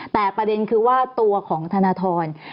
แต่ประเด็นคือว่าตัวของธนทร